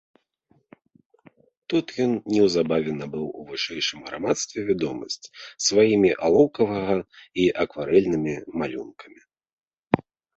Тут ён неўзабаве набыў у вышэйшым грамадстве вядомасць сваімі алоўкавага і акварэльнымі малюнкамі.